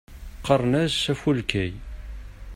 Qqaren-as Afulkay.